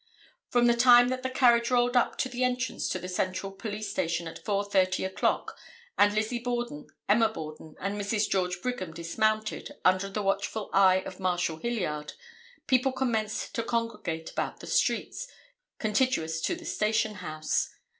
] From the time that the carriage rolled up to the entrance to the Central Police Station at 4:30 o'clock and Lizzie Borden, Emma Borden and Mrs. George Brigham dismounted under the watchful eye of Marshal Hilliard, people commenced to congregate about the streets contiguous to the station house.